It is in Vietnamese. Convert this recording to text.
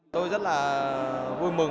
tôi rất là vui mừng